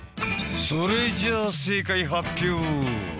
それじゃあ正解発表。